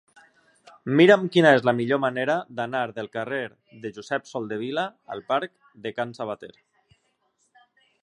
Mira'm quina és la millor manera d'anar del carrer de Josep Soldevila al parc de Can Sabater.